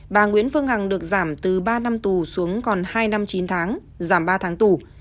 bà nguyễn phương hằng được giảm từ ba năm tù xuống còn hai năm chín tháng giảm ba tháng tù